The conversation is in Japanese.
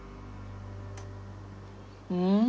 うん！